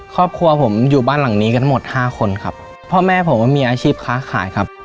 ครอบครัวผมอยู่บ้านหลังนี้กันหมดห้าคนครับพ่อแม่ผมก็มีอาชีพค้าขายครับ